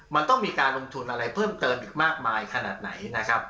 มันต้องมีการลงทุนอะไรเพิ่มเติมอีกมากมายขนาดไหนนะครับ